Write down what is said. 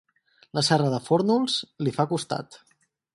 La serra de Fórnols li fa costat.